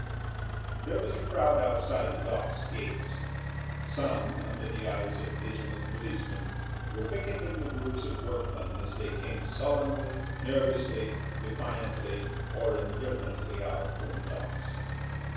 There was a crowd outside the Docks gates. Some, under the eyes of vigilant policemen, were picketing the groups of workmen as they came sullenly, nervously, defiantly, or indifferently out from the Docks.